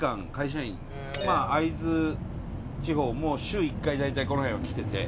会津地方も週１回大体この辺は来てて。